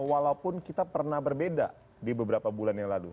walaupun kita pernah berbeda di beberapa bulan yang lalu